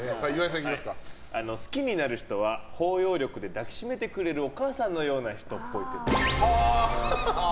好きになる人は包容力で抱きしめてくれるお母さんのような女の人っぽい。